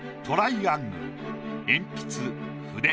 トライアングル鉛筆筆。